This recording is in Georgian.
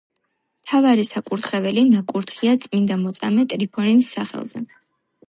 მთავარი საკურთხეველი ნაკურთხია წმინდა მოწამე ტრიფონის სახელზე.